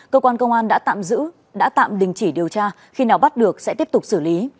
cơ quan công an đã tạm giữ đã tạm đình chỉ điều tra khi nào bắt được sẽ tiếp tục xử lý